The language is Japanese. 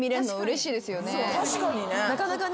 確かにね。